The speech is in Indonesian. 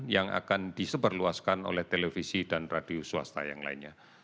yang akan diseberluaskan oleh televisi dan radio swasta yang lainnya